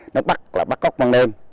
nó bắt là bắt cóc băng đêm